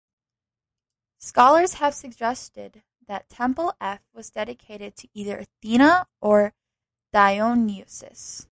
Scholars have suggested that Temple F was dedicated to either Athena or Dionysus.